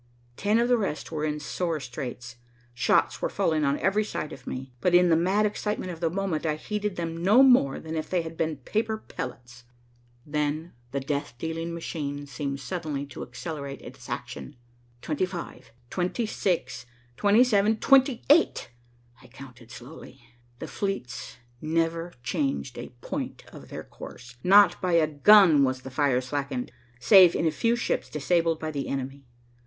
Ten of the rest were in sore straits. Shots were falling on every side of me, but, in the mad excitement of the moment, I heeded them no more than if they had been paper pellets. Then the death dealing machine seemed suddenly to accelerate its action. "Twenty five, twenty six, twenty seven, twenty eight," I counted slowly. The fleets never changed a point of their course. Not by a gun was the fire slackened, save in the few ships disabled by the enemy.